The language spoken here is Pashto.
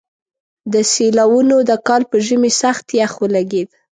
د سېلاوونو د کال په ژمي سخت يخ ولګېد.